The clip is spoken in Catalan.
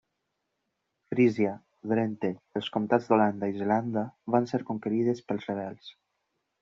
Frísia, Drenthe, els comtats d'Holanda i Zelanda van ser conquerides pels rebels.